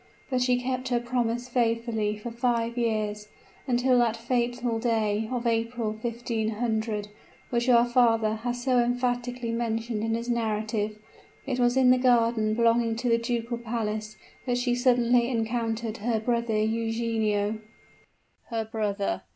But she kept her promise faithfully for five years; until that fatal day of April, 1500, which our father has so emphatically mentioned in his narrative. It was in the garden belonging to the ducal palace that she suddenly encountered her brother Eugenio " "Her brother!"